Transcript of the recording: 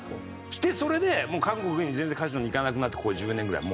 それでもう韓国に全然カジノに行かなくなってここ１０年ぐらい。